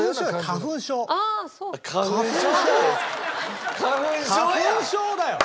花粉症だよ。